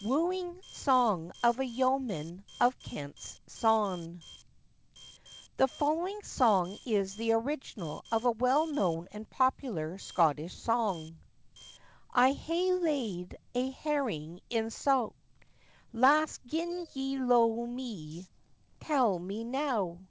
WOOING SONG OF A YEOMAN OF KENT'S SONNE. [THE following song is the original of a well known and popular Scottish song:— 'I hae laid a herring in saut; Lass, 'gin ye lo'e me, tell me now!